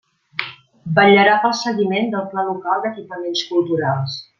Vetllarà pel seguiment del Pla Local d'Equipaments Culturals.